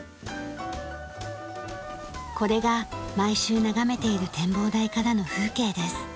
これが毎週眺めている展望台からの風景です。